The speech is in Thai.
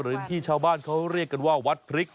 หรือที่ชาวบ้านเขาเรียกกันว่าวัดพริก